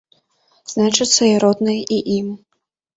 Значыцца, роднае і ім!